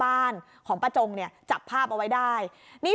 ในกล้องวงจรปิดเนี้ย